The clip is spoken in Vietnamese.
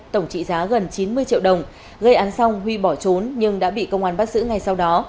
tổng trị giá gần chín mươi triệu đồng gây án xong huy bỏ trốn nhưng đã bị công an bắt giữ ngay sau đó